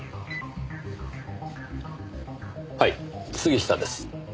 はい杉下です。